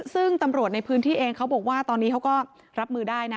ซึ่งตำรวจในพื้นที่เองเขาบอกว่าตอนนี้เขาก็รับมือได้นะ